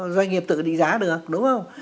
doanh nghiệp tự định giá được đúng không